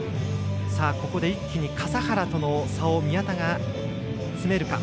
ここで一気に笠原との差を宮田が詰めるか。